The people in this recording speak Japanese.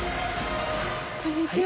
こんにちは。